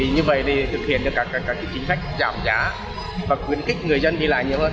như vậy thì thực hiện được các chính sách giảm giá và quyến kích người dân đi lại nhiều hơn